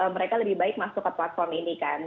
mereka lebih baik masuk ke platform ini kan